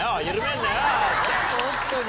ホントに。